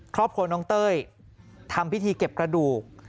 ครอบครัวน้องเต้ยทำพิธีเก็บกระดูก